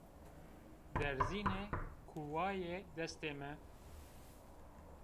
Derzîne kuwaye destê mi